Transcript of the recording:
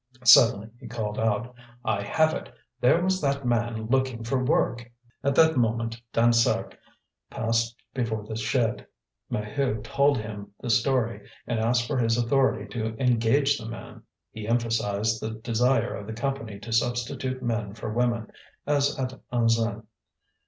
Suddenly he called out: "I have it! there was that man looking for work!" At that moment Dansaert passed before the shed. Maheu told him the story, and asked for his authority to engage the man; he emphasized the desire of the Company to substitute men for women, as at Anzin.